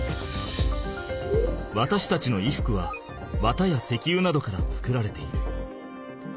わたしたちの衣服は綿や石油などから作られている。